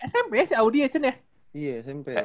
smp ya si audi ya cen ya